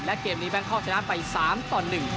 และเกมนี้แบงคอกชนะไป๓ต่อ๑